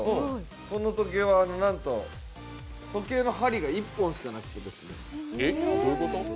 この時計は、なんと時計の針が１本しかなくてですね